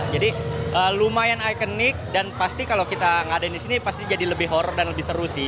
jadi lumayan ikonik dan pasti kalau kita ngadain di sini pasti jadi lebih horror dan lebih seru sih